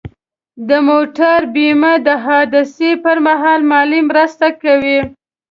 د موټر بیمه د حادثې پر مهال مالي مرسته کوي.